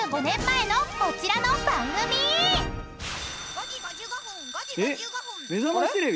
「５時５５分５時５５分」